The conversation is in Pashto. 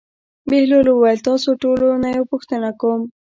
بهلول وویل: تاسو ټولو نه یوه پوښتنه کوم.